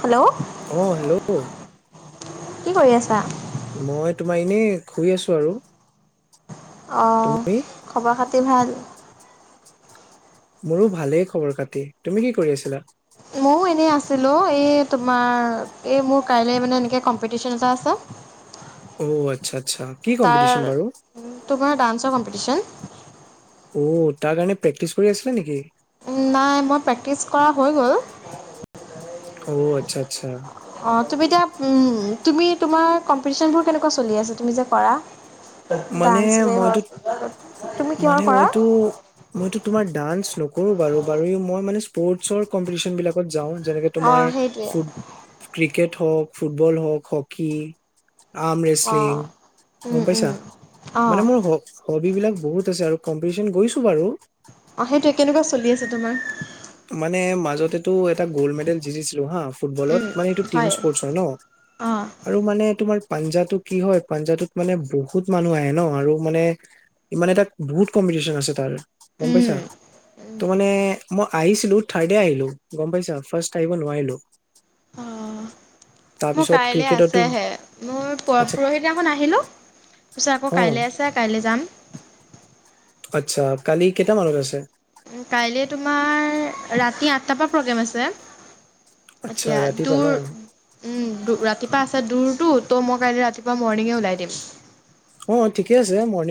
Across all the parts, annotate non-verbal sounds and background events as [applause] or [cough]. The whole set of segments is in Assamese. হেল্ল' অ হেল্ল' কি কৰি আছা মই তোমাৰ এনেই শুই আছো আৰু অঁ তুমি খবৰ খা [unintelligible] ভাল। মোৰো ভালেই খবৰ খাতি। তুমি কি কৰি আছিলা? মইও এনে আছ [unintelligible] এই তোমাৰ, এই মোৰ কাইলৈ মানে এনেকৈ কম্পিটিশন এটা আছে। অ', আচ্ছা আচ্ছা, কি তাৰ কম্পিটিচন বাৰু? তোমাৰ [unintelligible] অ', তাৰ কাৰণে প্ৰেক্টিচ কৰি আছিলা নেকি? নাই মই প্ৰেক্টিছ কৰা হৈ গ'ল। অ', আচ্ছা আচ্ছা। অ', তুমি এতিয়া, তুমি তোমাৰ কম্পিতিচনবোৰ কেনেকুৱা চলি আছে, তুমি যে কৰা। মানে ডান্সৰে হওক মইতো, তুমি কিহৰ মানে কৰা? মইতো-মইতো তোমাৰ ডান্স নকৰো বাৰু-বাৰু মই মানে পৰ্টছৰ কম্পিটিচন বিলাকত যাওঁ। যেনেকে তোমাৰ অঁ সেইটোৱে ফুত, ক্ৰিক ক্ৰিকেট হওক, ফুটবল হওক, হকী আম ৰেচলিং, অঁ উম গম উম পাইছা? অঁ মানে মোৰ হবি বিলাক বহুত আছে আৰু কম্পিটিচন গৈছো বাৰু। অ', সেইটোৱে, কেনেকুৱা চলি আছে তোমাৰ? মানে মাজতেটো এটা গ'ল্ড মেডেল জিতিছিলো হা ফুটবলত, মানে এইটো টিম স্পৰ্টছ হয় ন, অঁ আৰু মানে তোমাৰ পাঞ্জাটো কি হয়, পাঞ্জাটোত মানে বহুত মানুহ আহে ন আৰু মানে, ইমানে তাত বহুত কম্পিটিচন আছে তাৰ। গম পাইছা? উম তো মানে মই আহিছিলো, থাৰ্ডে আহিলো গম পাইছা, ফাৰ্ষ্ট আহিব নোৱাৰিলো। অ মোৰ তাৰপিছত কাইলে ক্ৰিকেটতো আছেহে মোৰ প আচ্ছা পৰহি দিনাখন আহিলোঁ তাৰপিছত আকৌ অ কাইলে আছে কাইলে যাম আচ্ছা কালি কেইটামানত আছে কাইলে তোমাৰ ৰাতি আঠটাৰ পৰা প্ৰগ্ৰেম আছে আচ্ছা এতিয়া ৰাতিপুৱা ন দূৰ উম ৰাতিপুৱা আছে দূৰটো ত' মই কাইলে ৰাতিপুৱা মৰ্ণিঙে ওলাই দিম অ ঠিকে আছে মৰ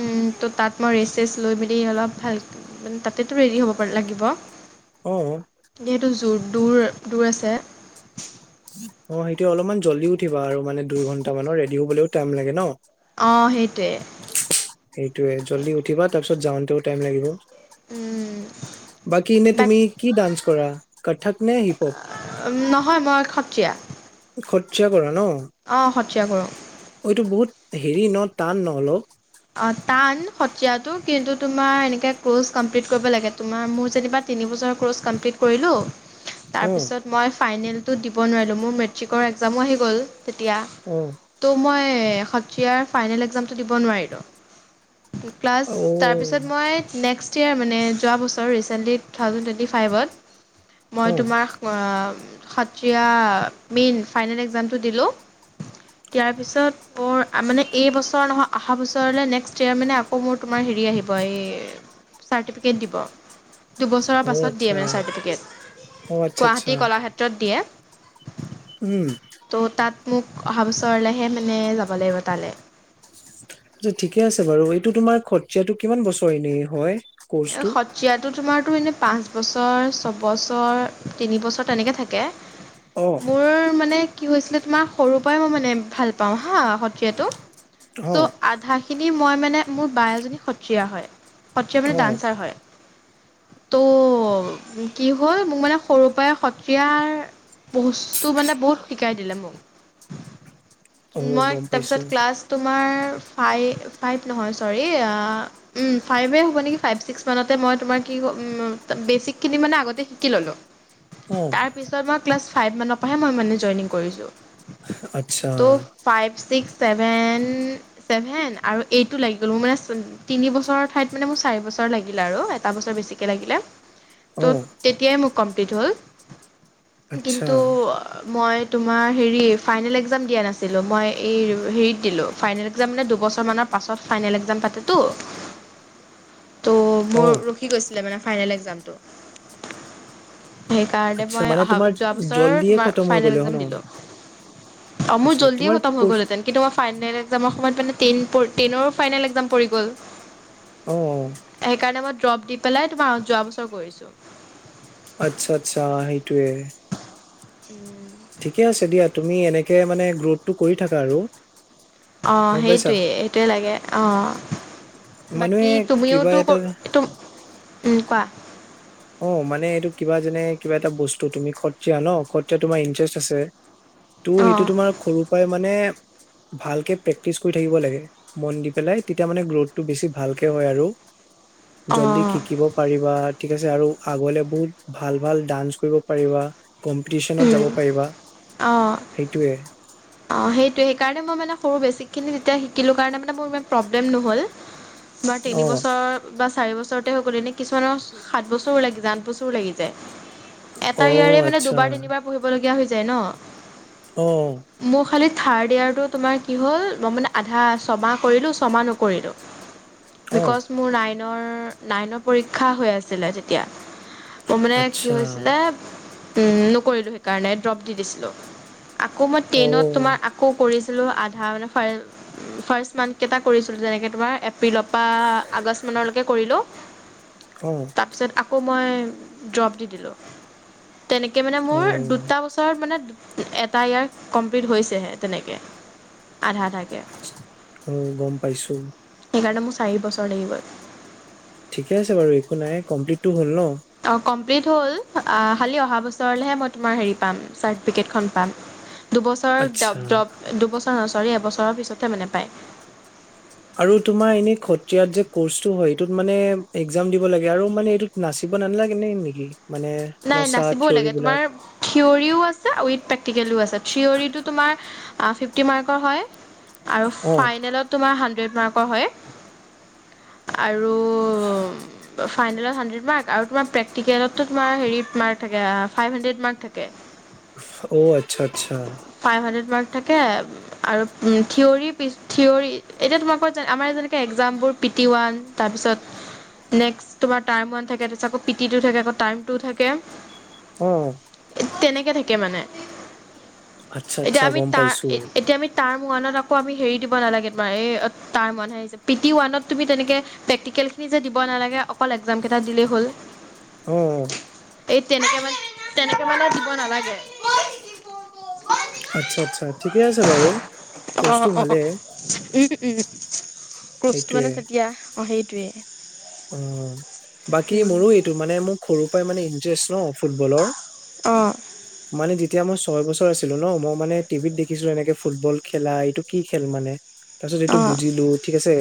উম তো তাত মই ৰেচেচ লৈ মেলি অলপ ভাল মানে তাতেতো ৰেডি হ'ব পা লাগিব অ এইটো জোৰ দূৰ দূৰ আছে অ সেইটোয়ে অলপমান জল্দি উঠিবা আৰু মানে দুই ঘণ্টা মানৰ ৰেডি হবলৈও টাইম লাগে ন অ সেইটোৱে সেইটোয়ে জল্দি উঠিবা তাৰপিছত যাওঁতেও টাইম লাগিব উম বাকী এনে বাক তুমি কি ডান্স কৰা কথক নে হিপহপ নহয় মই সত্ৰীয়া। সত্ৰীয়া কৰা ন? অ' সত্ৰীয়া কৰোঁ। এইটো বহুত হেৰি ন, টান ন হেল্ল' অ', টান সত্ৰীয়াটো, কিন্তু তোমাৰ এনেকে ক'ৰ্চ কমপ্লিট কৰিব লাগে, তোমাৰ মোৰ যেনিবা তিনিবছৰ ক'ৰ্চ কমপ্লিট কৰিলোঁ তাৰ অ পিছত মই ফাইনেলটো দিব নোৱাৰিলোঁ, মোৰ মেট্ৰিকৰ এগজামো আহি গ'ল তেতিয়া, অ ত' মই এ সত্ৰীয়াৰ ফাইনেল একজামটো দিব নোৱাৰিলোঁ। ক্লাছ, অ তাৰপিছত মই নেক্সট ত্ৰীয়াৰ মানে, যোৱাবছৰ ৰিছেণ্টলি তু থাউজেণ্ড টুৱেন্টি ফাইভত মই অ তোমাৰ, অ' সত্ৰীয়া মেইন ফাইনেল একজামটো দিলোঁ, দিয়াৰ পিছত মোৰ মানে এইবছৰ নহয় অহা বছৰ বছৰলৈ নেক্সট ইয়োৰ মানে আকৌ মোৰ তোমাৰ হেৰি আহিব, এই চাৰ্টিফিকেট দিব। দুবছৰৰ অ পাছত দিয়ে আচ্ছা মানে চাৰ্টিফিকেট, অ আচ্ছা আচ্ছা গুৱাহাটী কলাক্ষেত্ৰত দিয়ে। উম ত' তাত মোক, অহা বছৰলৈহে মানে যাব লাগিব তালৈ। ঠিকেই আছে বাৰু, এইটো তোমাৰ সত্ৰীয়াটো কিমান বছৰ এনে হয়? এ কৰ্চটো সত্ৰীয়াটো তোমাৰ টো এনেই পাঁচ বছৰ, ছবছৰ, তিনি বছৰ তেনেকৈ থাকে। অ মোৰ মানে কি হৈছিলে তোমাৰ সৰুৰ পৰাই মই মানে ভাল পাওঁ হা সত্ৰীয়াটো। অ চ' আধা খিনি মই মানে, মোৰ বা এজনী সত্ৰীয়াৰ হয়। সত্ৰীয়া মানে অ ডান্ কাৰ হয়? ত' কি হ'ল মোক মানে সৰুৰ পৰাই সত্ৰীয়াৰ বস্তু মানে বহুত শিকাই দিলে মোক, অ মই গম পাইছো তাৰপিছত ক্লাছ তোমাৰ ফাই ফাইভ নহয় চৰি উ ফাইভে হ'ব নেকি? ফাইভ ছিক্সতে মানতে মই কি তোমাৰ বেচিক খিনি মানে আগতে শিকি ল'লো। অ তাৰ পিছত মই ক্লাচ ফাইভমানৰ পৰাহে মই মানে জইনিং কৰিছোঁ। আচ্ছা ত' ফাইভ ছিক্স ছেভেন ছেভেন আৰু এইটো লাগি গ'ল, মোৰ মানে তিনি বছৰৰ ঠাইত মানে মোৰ চাৰ বছৰ [unintelligible] লাগিলে আৰু এটা বছৰ বেছিকে লাগিলে ত' অ তেতিয়াই মোক কমপ্লিট হ'ল আচ্ছা কিন্তু মই তোমাৰ হেৰি ফাইনেল এক্সাম দিয়া নাছিলোঁ মই এই হেৰিত দিলোঁ ফাইনেল একজাম মে দুবছৰমানানৰ পাছত ফাইনেল একজাম পাতেতো, ত' অ মোৰ ৰখি গৈছিলে মানে, ফাইনেল একজামটো। সেই কাৰণে আচ্ছা মই মানে অহা তোমাৰ যোৱা বছৰ জল্দিয়ে তোমাৰ খতম হৈ ফনেল গ'লে অ ন একজাম দিলো অ' মোৰ আচ্ছা জলদি তোমাৰ খতম হৈ কৰ্চ গ'লেতেন কিন্তু মই ফাইনেল এক্সামৰ সময়ত মানে টেন টেনৰো ফাইনেল এক্সাম পৰি গ'ল, অ', অ,। সেইকাৰণে মই ড্ৰপ দি পেলাই তোমাৰ যোৱা বছৰ কৰিছোঁ। আচ্ছা আচ্ছা সেইটোয়ে। উম'। ঠিকে আছে দিয়া তুমি এনেকে মানে গ্ৰোথটো কৰি থাকা আৰু অ গম পাইছা সেইটোৱে সেইটোৱে লাগে। অঁ'। বাকী মানুহে কিবা তুমিওতো এটা উম কোৱা? অ মানে এইটো কিবা যেনে কিবা এটা বস্তু তুমি খতীয়া ন খতীয়া তোমাৰ ইণ্টাৰেষ্ট আছে ত' অ সেইটো তোমাৰ সৰু পৰাই মানে ভালকে প্ৰেক্টিচ কৰি থাকিব লাগে মন দি পেলাই তেতিয়া মানে গ্ৰথটো বেছি ভালকে হয় আৰু জলদি অ শিকিব পাৰিবা, ঠিক আছে আৰু আগলে বহুত ভাল ভাল ডান্স কৰিব পাৰিবা, কম্পিটিচনত উম, যাব পাৰিবা, সেইটোৱে। অহ তোমাৰ তিনি অ বছৰ বা চাৰি বছৰ, বছৰতে হৈ গ'লে এনে কিছুমানৰ সাত বছৰো লাগি যাই আঠ বছৰো লাগিছে তে অ এটা ইয়াৰে মানে আচ্ছা দুবাৰ তিনিবাৰ পঢ়িবলগীয়া হৈ হৈছে যে ন অহ মোৰ খালী থাৰ্ড ইয়েৰটো তোমাৰ কি হ'ল মই মানে আধা ছমাহ কৰিলোঁ ছমাহ নকৰিলোঁ। অ বিক্জ মোৰ না নাইনৰ পৰীক্ষা হৈ আছিল তেতিয়া। ত মানে কি আচ্ছা হৈছিলে নকৰিলোঁ সেইকাৰণে ড্ৰপ দি দিছিলোঁ আকৌ অ', ট্ৰেইনত তোমাৰ আকৌ পৰিছে [unintelligible] আধা মানে ফাইল ফ্ৰাষ্ট মান্থ কেইটা কৰিছিলো যেনেকে তোমাৰ এপ্ৰি বিলপা আগষ্টমানলৈকে কৰিলোঁ অ', তাৰপিছত আকৌ মই ড্ৰপ দি দিলোঁ। তেনেকৈ মানে অ', মোৰ দুটা বছৰত মানে এটা এইয়াৰ কমপ্লিট হৈছেহে তেনেকে, আধা আধাকে অঁ গম পাইছোঁ সেইকাৰণে মোৰ চাৰি বছৰ লাগি গ'ল। ঠিকে আছে বাৰু একো নাই কমপ্লিটটো হল ন [inaudible] অ কমপ্লিট হ'ল খালী অহা বছৰলেহে মই তোমাৰ হেৰি পাম চাৰ্টিফিকেটখন পাম। দুবছৰ আচ্ছা ড্ৰপ ডপ দুবছৰ চৰি এবছৰৰ পিছতহে মানে পায়। আৰু তোমাৰ এনে খত্ৰিয়াত যে কৰ্চটো হয় এইটোত মানে এক্জাম দিব লাগে আৰু মানে এইটোত নাচিব নালাগে নে নেকি? মানে নাই নচা নাচিবও থিয়ৰী লাগে বিলাক তোমাৰ থিয়ৰও আছে উইথ প্ৰেক্টিকেলও আছে থিয়ৰটো তোমাৰ পিফ টি মাৰ্কৰ হয় আৰু অ', ফাইনেলত তোমাৰ সা [unintelligible] হয় আৰু ফাইনেলত হানড্ৰেড মাৰ্ক আৰু তোমাৰ প্ৰেক্টিকেলতো তোমাৰ হেৰি মাৰ্ক থাকে ফাইভ হানড্ৰেড মাৰ্ক থাকে। [unintelligible] অঁ আচ্ছা আচ্ছা। ফাইভ হাণ্ড্ৰেড মাৰ্ক থাকে আৰু থিয়ৰি থিয়ৰ এতিয়া তোমালোকৰ যে আমাৰ যেনেকে এক্জামবোৰ পি টি ওৱান তাৰপিছত নেক্সট তোমাৰ টাৰ্ম ওৱান থাকে তাৰপিছত আকৌ পি টি টু থাকে আকৌ টাৰ্ম টু থাকে উম তেনেকে থাকে মানে। আচ্ছা এতিয়া আচ্ছা আমি গম তাৰ পাইছো এতিয়া আমি তাৰ্ম ওৱানত আকৌ আমি হেৰি দিব নালাগে তোমাৰ তাৰ মনহে আহিছে পি টি ওৱানত তুমি তেনেকে প্ৰেক্টিকেলখিনি যে দিব নালাগে অকল এক্জামকেইটা দিলেই হ'ল। অ', এই তেনেকে মান তেনেকে মানে দিব নালাগে। [inaudible] আচ্ছা আচ্ছা ঠিকে আছে বাৰু, অঁ কৰ্চটো অঁ ভালেই। উম উম কৰ্চটো মানে তেতিয়া, অঁ সেইটোৱে অ বাকী উম মোৰো এইটো মানে মোক সৰুৰ পৰাই মানে ইন্টাৰেষ্ট ন ফুটবলৰ অঁ মানে যেতিয়া মই স্কুলৰ ছয় বছৰ আছিলো ন মই মানে টিভিত দেখিছো এনেকে ফুটবল খেলা এইটো কি খেল মানে তাৰ পিছত এইটো অঁ বুজিলো, ঠিক আছে,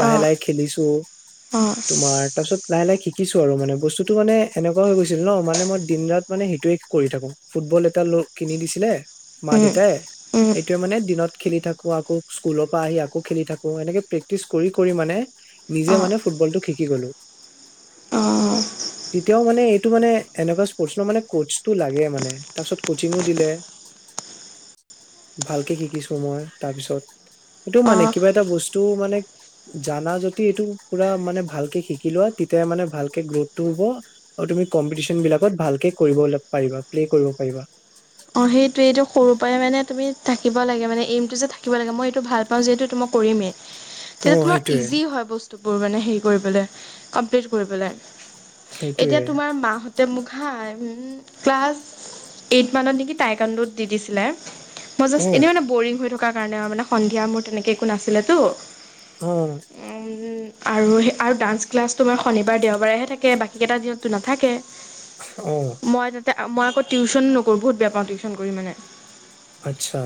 লাহে অঁ লাহে খেলিছো অঁ তোমাৰ তাছত লাহে লাহে শিকিছো আৰু মানে বস্তুটো মানে এনেকুৱা হৈ গৈছে ছিল ন মানে মই দিন ৰাত মানে সেইটোয়ে কৰি থাকো, ফুটবল এটা লৈ কিনি দিছিলে। উম মা-দেউতাই, উম সেইটোয়ে মানে দিনত খেলি থাকো, আকৌ স্কুলৰ পৰা আহি আকৌ খেলি থাকো, এনেকে প্ৰেক্টিছ কৰি-কৰি মানে নিজে অঁ মানে তো শিকি গলো, অঁ তেতিয়াও মানে এইটো মানে এনেকুৱা স্পৰ্টছ মানে কচটো লাগে মানে তাৰপিছত কচিঙো দিলে, ভালকে শিকিছোঁ মই, তাৰপিছত এইটো মানে অঁ কিবা এটা বস্তু মানে জানা যদি এইটো পুৰা মানে ভালকে শিকি লোৱা, তেতিয়া মানে ভালকে গ্ৰথটো হ'ব আৰু তুমি কম্পিটিশন বিলাকত ভালকে কৰিব পাৰিবা, প্লে কৰিব পাৰিবা। পায় মানে তুমি থাকিব লাগে মানে এইমটো যে থাকিব লাগে, মই এইটো ভাল পাওঁ যিহেতু এইটো মই কৰিমেই। অ তেতিয়া তোমাৰ সেইটোয়ে ইজি হয় বস্তু। বোৰ মানে হেৰি কৰি পেলাই, আপডেট কৰি পেলাই। এতিয়া সেইটোয়ে তোমাৰ মা হত তে মোক ঘাই উম' ক্লাছ এইট মানত নেকি? টাইকাণ্ডুত দি দিছিলে। মই অ জাষ্ট এনে মানে বৰিং হৈ থাকো। থকা কাৰণে আৰু মানে সন্ধিয়া মোৰ তেনেকে একো নাছিলেতো। উম' আৰু সেই আৰু ডান্স ক্লাছটো তোমাৰ শনিবাৰ, দেওবাৰেহে থাকে বাকীকেইটা দিনতো নাথাকে। উম মই তাতে মই আকৌ টিউশ্যনো নকৰোঁ বহুত বেয়া পাওঁ টিউচন কৰি মানে। আচ্ছা।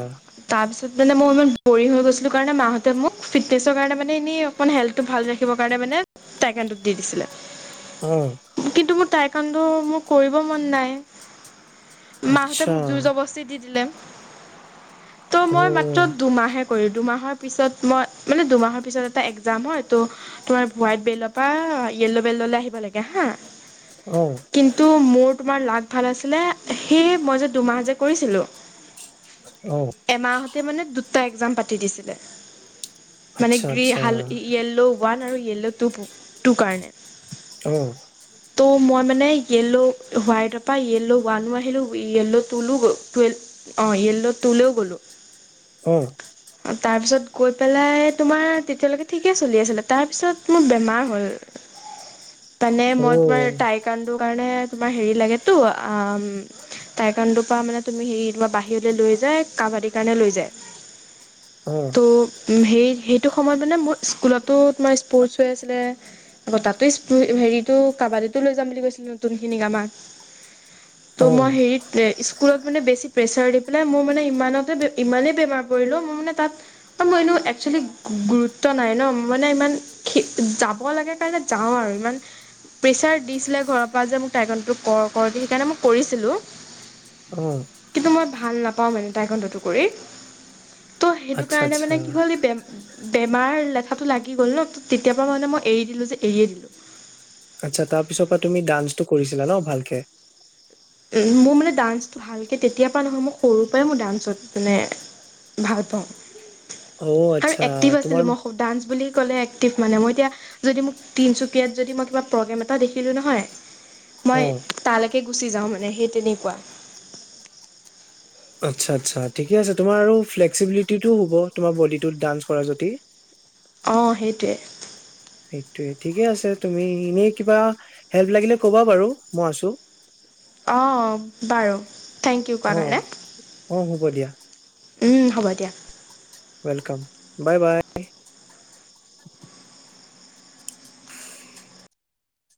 তাত মোৰ মানে মই ইমান বৰিং হৈ গৈছিলোঁ কাৰণে মাহঁতে মোক ফিটনেছৰ কাৰণে মানে এনেই অকণ হেল্থ টু ৰাখিব কাৰণে মানে টাইকাণ্ডোক দি দিছিলে অ কিন্তু মোৰ টাই কাৰণটো মো কৰিব মন নাই। মাহঁতে আচ্ছা মোক যুৰজবস্তি দি দিলে। ত' অ মই মাত্ৰ দুমাহে কৰি দুমাহৰ পিছত মই মানে দুমাহৰ পিছত এটা এক্জাম হয় ত' তোমাৰ হোৱাইট বেল্টৰ পৰা য়েল্ল' বেল্টলৈ আহিব লাগে হা অ কিন্তু মোৰ তোমাৰ লাক ভাল আছিলে, সেই মই যে দুমাহ যে কৰিছিলোঁ অ এমাহতে মানে দুট টা এক্সাম পাতি দিছিলে। মানে আচ্ছা গ্ৰী আচ্ছা হাল ই য়েল্লো' ওৱান আৰু য়েল্ল' টু টু কাৰণে। অ'। ত' মই মানে য়েল্ল' হোৱাইটৰ পৰা য়েল্ল' ওৱানো আহিলোঁ য়েল্ল' টুলো টুৱেল অঁ য়েল্ল' টুলেও গ'লোঁ। অ'। তাৰপিছত গৈ পেলাই তোমাৰ তেতিয়ালৈকে ঠিকে চলি আছিলে তাৰপিছত মোৰ বেমাৰ হ'ল। মানে অ মই তোমাৰ মই টাইকাণ্ডো কাৰণে তোমাৰ হেৰি লাগেতো আ, টাইকাণ্ডৰ পৰা মানে তুমি হেৰি তোমাৰ বাহিৰলৈ লৈ যায় কাবাডিৰ কাৰণে লৈ যায়। অ ত' হেৰি সে টো সময়ত মানে মোৰ স্কুলতো তোমাৰ স্পৰ্টচ হৈ আছিলে, আকৌ তাতো হেৰিটো কাবাডীটো লৈ যাম বুলি কৈছিল নতুনখিনি আমাক। ত' অ মই হেৰিত স্কুলত মানে বেছি প্ৰেছাৰ দি পেলাই মোৰ মানে ইমানতে ইমানেই বেমাৰ পৰিলোঁ মই মানে তাত আৰু মই এনেও এক্সুৱেলি গুৰুত্ব ত্ব‌ নাই ন' মানে ইমান যাব লাগে কাৰণে যাওঁ আৰু ইমান প্ৰেচাৰ দিছিলে ঘৰৰ পৰা যে মোক টাইকানডু কৰ কৰ সেইকাৰণে মই কৰিছিলো। অ কিন্তু মই ভাল না পাওঁ মানে টাইকনদুটো কৰি। ত' সেইটো আচ্ছা কাৰণে আচ্ছা মানে কি হ'ল। বেম মাৰ লেঠাটো লাগি গ'ল ন' ত' তেতিয়াৰ পৰা মানে মই এৰি দিলো যে এৰিয়ে দিলো। আচ্ছা, তাৰ পিছৰ পৰা তুমি ডান্সটো কৰিছিলা ন' ভালকে? মোৰ মানে ডান্সটো ভালকৈ তেতিয়াৰ পৰা নহয়, মই সৰুৰ পৰাই মোৰ ডান্সত মানে ভাল পাওঁ। অ আৰু আচ্ছা এক্টিভ আছিলো তোমাৰ মই ডান্স বুলি এক্টিভ মানে মই এতিয়া যদি মোক তিনিচুকীয়াত যদি মই কিবা প্ৰগ্ৰেম এটা দেখিলোঁ নহয় অ মই তালৈকে গুচিা যাওঁ মই মে সেই তেনেকুৱা। আচ্ছা, আচ্ছা ঠিকে আছে তোমাৰ আৰু ফ্লেক্সিবিলিটিটো হ'ব তোমাৰ বডিটো ডান্স কৰা যদি অঁহ, সেইটোৱেই। সেইটোৱে ঠিকে আছে তুমি এনেই কিবা হেল্প লাগিলে কবা বাৰু মই আছো অ, অ, বাৰু। থেংক ইউ কোৱাৰ অ, কাৰণে অ হ'ব দিয়া। উম হ'ব দিয়া ৱেলকাম বাই বাই